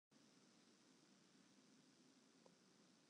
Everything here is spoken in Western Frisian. Hy ferwachtet dat de supermerk yn jannewaarje gewoan iepenbliuwt.